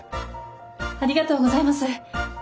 ありがとうございます。